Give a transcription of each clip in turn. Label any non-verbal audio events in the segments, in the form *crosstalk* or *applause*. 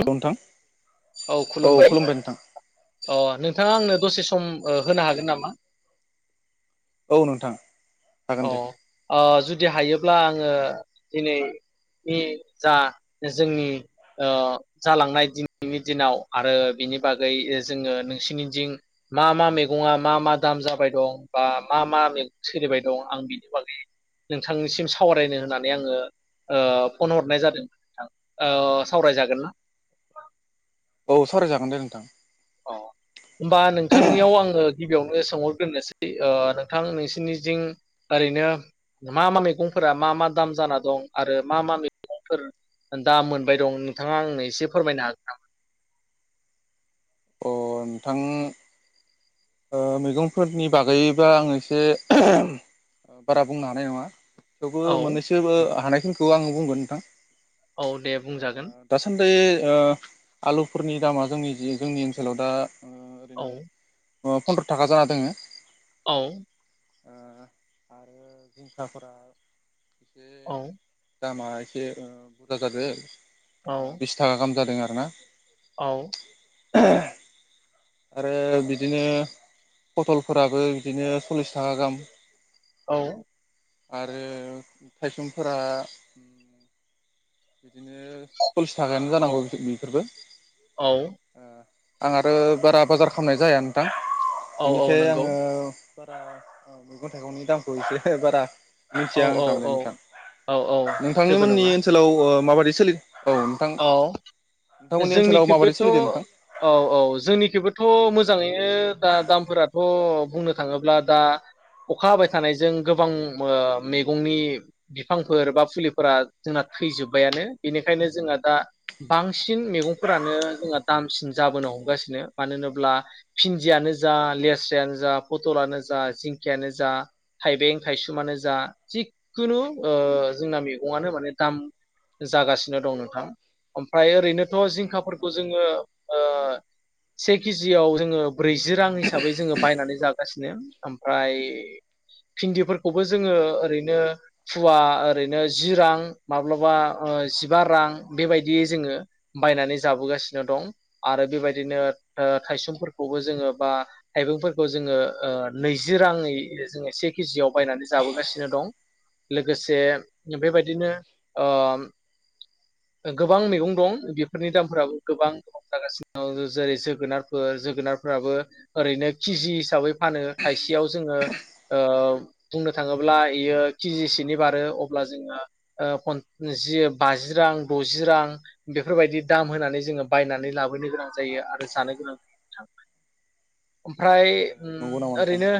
औ नोंथां औ खुलुमबाय नोंथां अ नोंथाङा आंनो दसे सम होनो हागोन नामा? औ नोंथां हागोन अ दे आ जु दि हायोब्ला आङो दिनैनि जा जोंनि ओ जालांनाय दिनैनि दिनाव आरो बिनि बागै जोङो नोंसिनि दिं मा मा मैगं मा मा दाम जाबाय दं बा मा मा मैगं सोलिबाय दं? दं आं बिनि बागै नोंथांनिसिम सावरायनो होननानै आङो ओ फन हरनाय जादों नोंथां ओ सावरायजागोन ना? औ सरायजागोन दे नोंथां अ होमबा नोंथांनियाव आङो गिबियावनो सोंहरग्रोनोसै ओ नोंथां नोंसोरनि थिं ओरैनो मा मा मैगंफोरा मा मा दाम जाना दं आरो मा मा मैगंफोर दाम मोनबाय दं नोंथाङा आंनो एसे फोरमायनो हागोन नामा? अ नोंथां ओ मैगंफोरनि बागैबा आङो एसे बारा बुंनो हानाय नङा थेवबो औ मोननैसोबो हानाय मुंखौ आं बुंगोन नोंथां औ दे बुंजागोन दासान्दि ओ आलुफोरनि दामा जोंनि जोंनि ओनसोलाव दा ओ औ ओरैनो फन्द्र थाखा जाना दोङो औ ओ आरो जिंखाफोरा ए औ दामा एसे बुरजा जादों औ बिस थाखा गाहाम जादों आ ना औ *inaudible* आरो बिदिनो पथलफोराबो बिदिनो सल्लिस थाखा गाहाम औ आरो थाइसंफोरा बिदिनो सल्लिस थाखायानो औ जानांगौ खि बेफोरबो औ आं आरो बारा बाजार खालामनाय जाया नोंथां औ औ बिनिखाय नंगौ आङो बारा ओ मैगं थाइगंनि दामखौ एसे बारा औ मिथिया आं औ थारमाने औ नोंथां औ औ जेबो नोंथांनिमोननि नङा ओनसोलाव अ माबायदि सोलि औ ओनसोलाव माबायदि जोंनिखैबोथ सोलिदों नोंथां औ औ जोंनिखैबोथ मोजाङै दा दामफोराथ बुंनो थाङोब्ला दा अखा हाबाय थानायजों गोबां मैगंनि बिफांफोर बा फुलिफोरा जोंना थैजोब्बायानो बेनिखायनो जोंना दा बांसिन मैगंफोरानो जोंहा दामसिन जाबोनो हमगासिनो मानो होनोब्ला भिन्दियानो जा लेस्रायानो जा पथलानो जा जिंखिायानो जा थाइबें थायसुमानो जा जिखुनु ओ जोंना मैगंआनो माने दाम जागासिनो दं नोंथां ओमफ्राय ओरैनोथ औ नंगौ जिंखाफोरखौ नामा जोङो ओ से केजियाव जोङो ब्रैजि रां हिसाबै जोङो बायनानै जागासिनो ओमफ्राय फिन्दिफोरखौबो जोङो ओरैनो फुवा ओरैनो जि रां माब्लाबा ओ जिबा रां बेबायदियै जोङो बायनानै जाबोगासिनो दं आरो बेबायदिनो ओ थायसुंफोरखौबो जोङो बा थाइबेंफोरखौ जोङो ओ नैजि राङै जोङो से केजियाव बायनानै जाबोगासिनो दं लोगोसे बेबायदिनो ओम गोबां मैगं दं बेफोरनि दामफोराबो गोबां जागासिनो दं जेरै जोगोनारफोर जोगोनारफोराबो ओरैनो किजि हिसाबै फानो थायसेयाव जोङो ओ बुंनो थाङोब्ला बेयो किजिसेनि बारो अब्ला जोङो ओ फन जि बाजि रां दजि रां बेफोरबायदि दाम होनानै जोङो बायनानै लाबोनो गोनां जायो आरो जानो गोनां ओमफ्राय औ उम नंगौ नामा नोंथां ओरैनो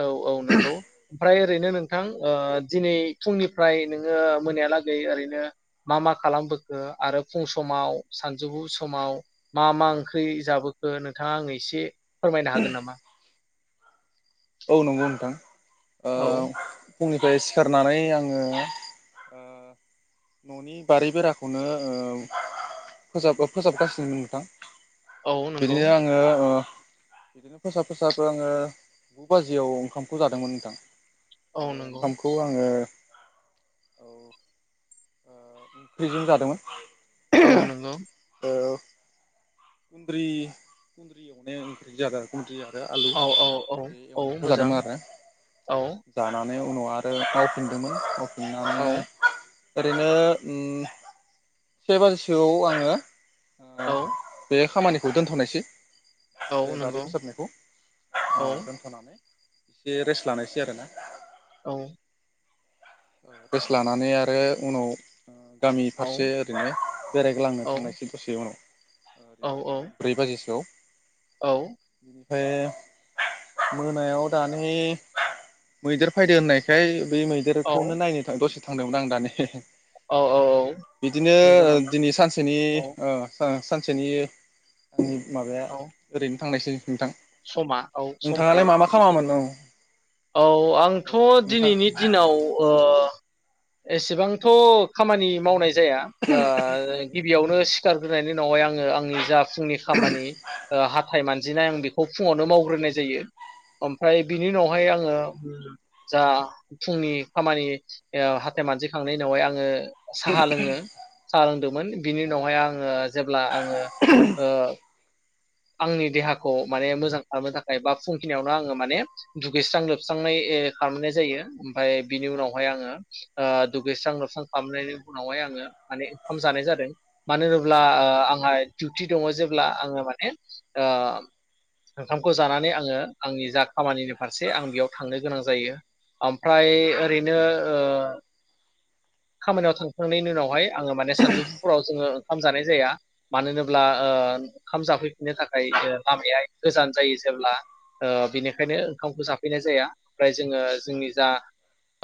औ औ नंगौ ओमफ्राय ओरैनो नोंथां ओ दिनै फुंनिफ्राय नोङो मोनायालागै ओरैनो मा मा खालामबो ओ आरो फुं समाव सानजौफु समाव मा मा ओंख्रि जाबोखो नोंथाङा आंनो एसे फोरमायनो हागोन नामा? औ नंगौ नोंथां ओ औ फुंनिफ्राय सिखारनानै आङो ओ न'नि बारि बेराखौनो ओ फोजाब फोजाबगासिनो नोंथां औ नंगौ बिदिनो आङो ओ फोसाब फोसाब आङो गु बाजियाव ओंखामखौ जादोंमोन नोंथां औ नंगौ ओंखामखौ आङो औ प्रिजिम जादोंमोन औ नंगौ खुन्द्रि खन्द्रि आरो आलु औ औ औ बे औ एवनायखौ मोजां जादोंमोन आरो औ जानानै उनाव आरो मावफिनदोंमोन *unintelligible* औ ओरैनो उम से बाजिसोआव आङो ओ औ बे खामानिखौ दोनथनायसै औ बे दारि नंगौ फोसाबनायखौ ओ औ दोनथनानै से रेस्ट लानायसै आरोना औ रेस लानानै आरो उनाव गामि औ फारसे ओरैनो बेरायग्लांनो थांनायसै दसे उनाव औ ओरैनो ब्रै बाजिसोआव औ *unintelligible* मोनायाव दानि मैदेर फैदो होननायखाय बे मैदेर औ खौनो नायनो था दसे थांदोंमोन आं दानि औ औ *unintelligible* बिदिनो नंगौ नामा दिनै सानसेनि औ ओ ओ सानसेनि उम्म माबाया औ ओरैनो थांनायसै नोंथां समा औ समखौ नोंथाङालाय मा मा बेखिनि खामामोन? औ औ आंथ औ नोंथां दिनैनि दिनाव ओ ओ एसेबांथ खामानि मावनाय जाया ओ गिबियावनो सुटार होनोनायनि उनावहाय आंङो आंनि जा फुंनि खामानि ओ हाथाय मानजिनाय आं बे *unintelligible* फुङावनो मावग्रोनाय जायो ओमफ्राय बिनि उनाव हाय आंङो जा फुंनि खामानि ओ हाथाय मानजिखांनायनि उनावहाय आंङो साहा लोंङो साहा लोंदों मोन बिनि उनावहाय आंङो जेब्ला आंङो ओ आंनि देहाखौ माने मोजां खालामनो थाखाय बा फुंखिनायावनो आंङो माने दुगैस्रां लोबस्रांनाय खालामनाय जायो ओमफाय बिनि उनावहाय आंङो ओ दुगैस्रां लोबस्रां खालामनायनि उनावहाय आंङो माने ओंखाम जानाय जादों मानो होनोब्ला ओ आंहा डिउटि दङ जेब्ला आंङो माने ओ ओंखामखौ जानानै आंङो आंनि जा खामानिनि फारसे आं बेयाव थांनो गोनां जायो ओमफ्राय ओरैनो ओ खामानियाव थांखांनायनि उनावहाय आंङो माने सानजौफुफोरुराव जोंङो ओंखाम जानाय जाया मानो होनोब्ला ओ ओंखाम जाफैफिननो थाखाय लामाया गोजान जायो जेब्ला ओ बिनिखायनो ओंखामखौ जाफैनाय जाया ओमफ्राय जोंङो जोंनि जा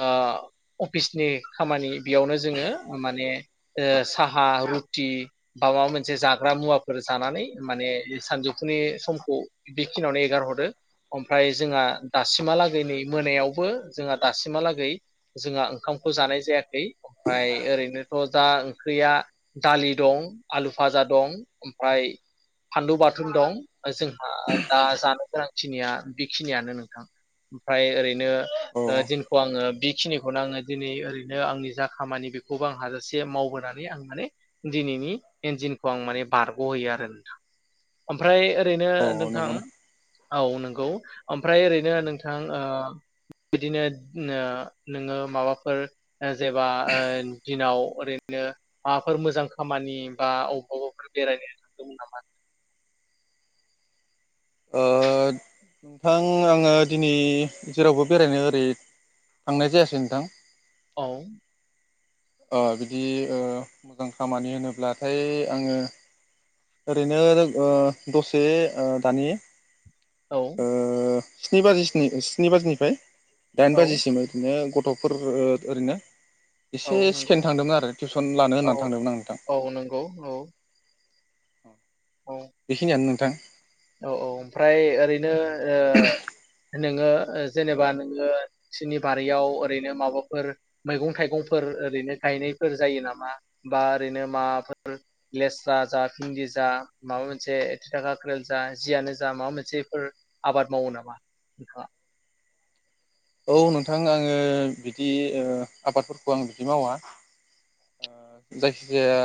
ओ अफिसनि खामानि बेयावनो जोंङो माने ओ साहा रुटि बा माबा मोनसे जाग्रा मुवाफोर जानानै माने सानजौफुनि समखौ बेखिनियावनो एगार हरो ओमफ्राय जोंहा दासिमहालागै नै मोनायावबो जोंहा दासिमहालागै जोंहा ओंखामखौ जानाय जाया ऐ ओमफ्राय ओरैनोथ' दा ओंख्रिया दालि दं आलु फाजा दं ओमफ्राय फानलु बाथुम दं जोंहा दा जानो गोनांखिनिया बेखिनियानो नोंथां ओमफ्राय ओरै नो औ ओ दिनखौ आंङो बिखिनिखौनो आं दिनै ओरैनो आंनि जा खामानि बेखौबो आं हाजासे मावबोनानै आं माने दिनैनि इन्जिनखौ आं माने बारगहोयो आरो नोंथां ओमफ्राय ओरैनो औ नोंथां नंगौना औ नों गौ ओमफ्राय ओरैनो नोंथां ओ बिदिनो नो-नोंङो माबाफोर जेबा ओ दिनाव ओरैनो माबाफोर मोजां खामानि बा अबावबाफोर बेरायनो थांदोंमोन नामा? ओ नोंथां आङो दिनै जेरावबो बेरायनो ओरै थांनाय जायासै नोंथां। औ ओ बिदि ओ मोजां खामानि होनोब्लाथाय आङो ओरैनो ओ दसे ओ दानि औ ओ स्नि बाजि स्नि स्नि बाजिनिफ्राय दाइन औ बाजिसिम ओरैनो गथ गथ'फोर ओ ओरैनो औ एसे नंगौ सिखायनो थांदोंमोन आरो टिउसन लानो औ होननानै थांदोंमोन आं नोंथां। औ नंगौ औ औ बेखिनियानो नो थां औ औ ओमफ्राय ओरैनो ओ नोङो जेनेबा नोङो नोंसिनि बारियाव ओरैनो माबाफोर मैगं थाइगंफोर ओरैनो गायनायफोर जायो नामा बा ओरैनो माबाफोर लेस्रा जा भिनदी जा माबा मोनसे तिता काख्रेल जा जियानो जा माबा मोनसेफोर आबाद मावो नामा नोंथाङा? औ नोंथां आङो बिदि ओ आबादफोरखौ आं बिदि मावा जायखिजाया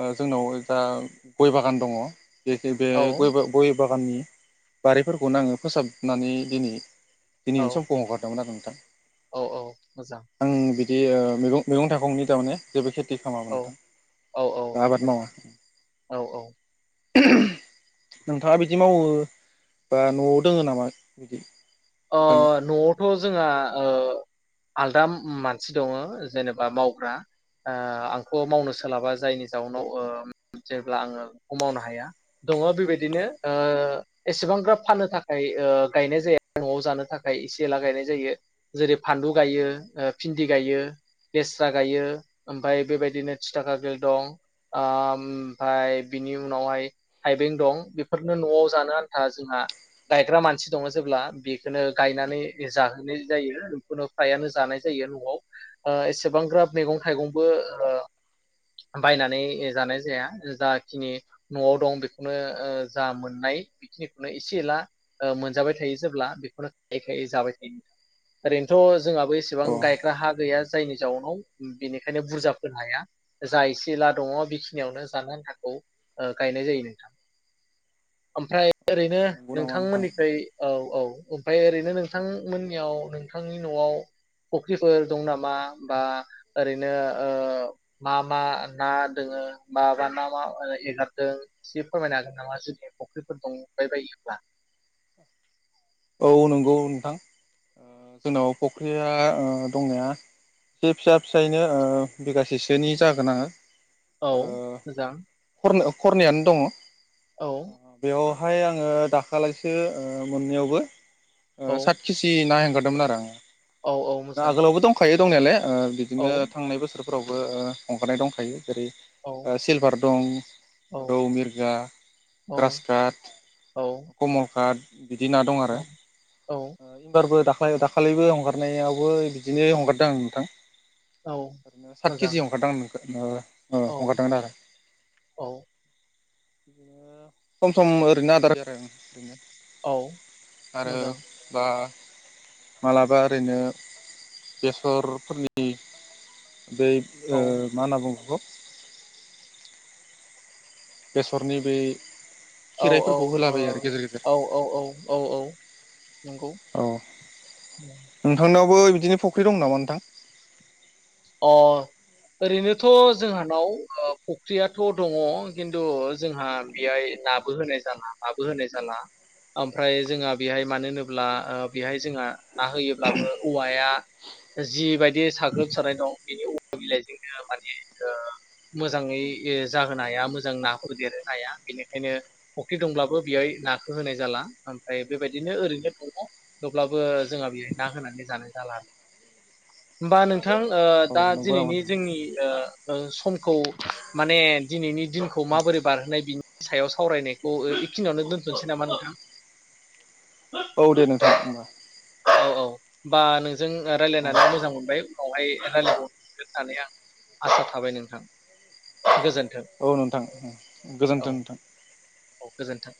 ओ जोंनाव दा गय बागान दङ। बेखो बे औ गय बा गय बागाननि बारिफोरखौनो आङो फोसाबनानै दिनि औ दिनिनि सम हगारदोंमोन आरो नोंथां। औ औ मोजां। आं बिदि ओ मैगं-मैगं थाइगंनि थारमाने जेबो खे औ औ औ मावा मोजां औ औ नोंथाङा बिदि मावो बा नआव दोङो नामा बिदि? अ नोंथांनियाव न'आव थ जोंहा ओ आलदा मानसि दङ जेनेबा मावग्रा ओ आंथ' मावनो सोलाबा जायनि जाउन उनाव जेब्ला आङो बेखौ मावनो हाया दङ बेबायदिनो ओ एसेबांग्राब फाननो थाखाय ओ गायनाय जाया। न'आव जानो थाखाय एसे एला गायनाय जायो जेरै फानलु गायो ओ भिन्दि गायो लेस्रा गायो ओमफ्राय बेबायदिनो थिथा काख्रेल दं ओ ओमफ्राय बिनि उनावहाय थाइबें दं बेफोरनो न'आव जानो आन्था जोंहा गायग्रा मानसि दङ जेब्ला बेखोनो गायनानै जाहोनाय जायो बेखौनो फ्रायानो जानाय जायो न'आव ओ एसेबांग्राब मैगं थाइगंबो ओ बायनानै जानाय जाया जाखिनि न'आव दं बेखौनो ओ जा मोननाय बेखिनिखौनो एसे एला ओ मोनजाबाय थायो। जेब्ला बेखौनो खायै खायै जाबाय थायो। ओरैनोथ' जोंहाबो एसेबां अ गायग्रा हा गैया। जायनि जाउनाव बेनिखायनो बुरजा फोनो हाया जा एसे एला दङ बेखिनियावनो जानो आन्थाखौ ऐ गायनाय जायो नोंथां। ओमफ्राय ओरैनो नंगौ नामा नोंथां नोंथांमोननिफ्राय औ औ उ ओमफ्राय ओरैनो नोंथांमोननियाव नों नोंथांनि न'आव फख्रिफोर दं नामा बा ओरैनो ओ मा मा ना दोङो बा मा मा ना एगारदों एसे फोरमायनो हागोन नामा जुदि फख्रिफोर दंबाय बायोब्ला? औ नंगौ नोंथां आ जोंनाव फख्रिया दंनाया एसे फिसा फिसायैनो बिगासेसोनि जागोन आरो। औ मोजां। खरनियानो दङ। औ। हाय आङो दाखालायसो मोननैयावबो। ओ औ सात किजि ना हेंगार दोंमोन आरो आङो। औ औ मोजां । आगोलावबो दंखायो दंनायालाय बिदिनो थांनाय बोसोर फोरावबो हंगारानाय दंखायो । जेरै औ सिलभार दं औ रौ मिरगा औ ग्रास काट औ कमल काट बिदि ना दं आरो औ । *unintelligible* दा दाखालिबो हंगारनायावबो बिदिनो हंगारदों आं नोंथां। औ ओरैनो सात के मोजां जि हओगारदां नोखो ओ औ हगारदों आरो। औ *inaudible* सम सम ओरैनो आदार जादों आ ओरैनो। औ आरो मोजां बा। मालाबा ओरैनो बेसरफोरनि बै औ मा होनना बुंङो बिखो? बेसरनि बै औ औ औ खिराइफोरखौ होलाबायो आरो गेजेर गेजेर औ औ औ औ । नंगौ । बो बिदिनो फुख्रि दं नामा नोंथां? अ ओरैनोथ जोंहानाव फुख्रियाथ दङ खिन्थु जोंहा बेहाय नाबो होनाय जाला नाबो होनाय जाला ओमफ्राय जोंहा बेहाय मानो होनोब्ला बेहाय जोंहा ना होयोब्लाबो औवाया जि बायदि साग्लोब सारनाय दं बेनिमा बिलाइजोंनो माने ओ मोजाङै जाहोनो हाया मोजां ना होदेरो हाया बेनिखायनो फख्रि दंब्लाबो बेयावाय नाखौ होनाय जाला ओमफ्राय बेबायदिनो ओरैनो दङ थवब्लाबो जोंहा बेहाय ना होनानै जानाय जाला । होमबा नों थां। ओ औ दा नंगौ नामा दिनैनि नोंथां जोंनि ओ समखौ माने दिनैनि दिनखौ माबोरै बारहोनाय बिनि सायाव सावरायनायखौ एखिनियावनो दोनथनोसै नामा नोंथां । औ दे नोंथां होमबा । औ औ बा नों जों अ रायलायनानै मोजां मोनबाय । उनावहाय रायलायबावनो मोनगोन होननानै आं आसा थाबाय नोंथां गोजोन औ नोंथां गोजोनथों नोंथां औ गोजोन्थों।